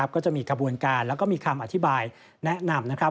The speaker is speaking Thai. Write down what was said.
ก็จะมีขบวนการแล้วก็มีคำอธิบายแนะนำ